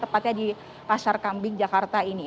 tepatnya di pasar kambing jakarta ini